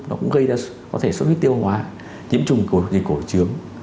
nó cũng gây ra có thể xuất huyết tiêu hóa nhiễm trùng cổ trướng